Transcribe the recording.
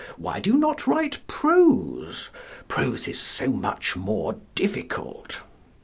Why do you not write prose? Prose is so much more difficult."